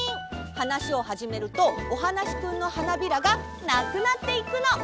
はなしをはじめるとお花しくんのはなびらがなくなっていくの！